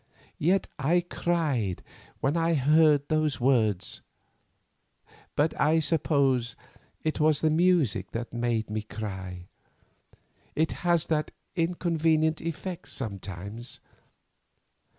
Yet I cried when I heard those words, but I suppose it was the music that made me cry; it has that inconvenient effect sometimes.